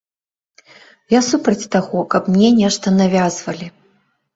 Я супраць таго, каб мне нешта навязвалі.